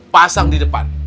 pasang di depan